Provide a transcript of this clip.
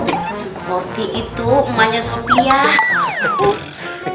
supporti itu emaknya sofia